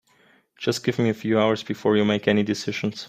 Just give me a few hours before you make any decisions.